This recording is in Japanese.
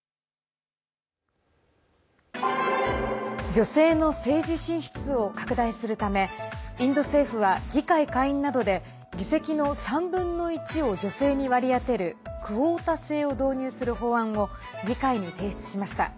女性の政治進出を拡大するため、インド政府は議会下院などで議席の３分の１を女性に割り当てるクオータ制を導入する法案を議会に提出しました。